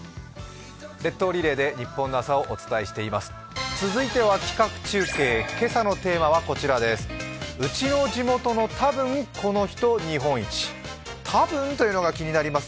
列島リレーで日本の朝をお伝えしています。